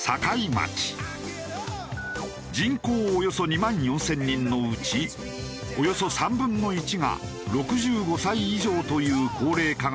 人口およそ２万４０００人のうちおよそ３分の１が６５歳以上という高齢化が進む町だ。